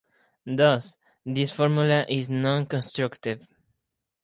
Thus, this formula is non-constructive.